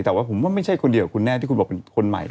แต่ว่าผมว่าไม่ใช่คนเดียวกับคุณแน่ที่คุณบอกเป็นคนใหม่